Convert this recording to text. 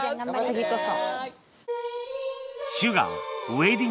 次こそ。